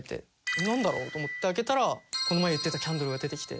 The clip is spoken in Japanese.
なんだろうと思って開けたらこの前言ってたキャンドルが出てきて。